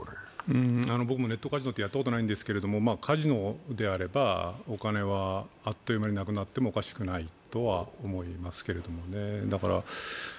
僕もネットカジノってやったことないんですけれども、カジノであれば、お金はあっという間になくなってもおかしくないとは思いますけどね。